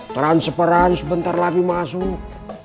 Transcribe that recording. transperan sebentar lagi masuk